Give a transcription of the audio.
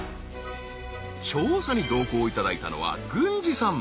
調査に同行いただいたのは郡司さん。